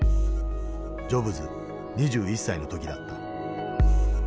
ジョブズ２１歳の時だった。